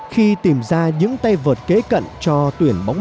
khi tìm ra những tay vợt kế cận cho tuyển